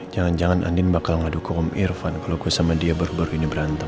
jangan jangan andin bakal ngaduk om irfan kalau gue sama dia baru baru ini berantem